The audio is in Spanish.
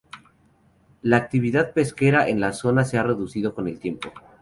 La actividad pesquera en la zona se ha reducido con el tiempo.